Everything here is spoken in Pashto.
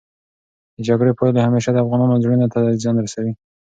د جګړې پايلې همېشه د افغانانو زړونو ته زیان رسوي.